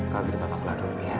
kau kita papa keluar dulu ya